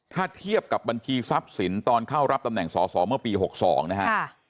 ถ้าเทียบกับบัญชีทรัพย์สินตอนเข้ารับตำแหน่งสอสอเมื่อปี๖๒นะฮะ